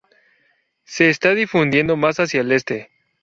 Se está difundiendo más hacia el este.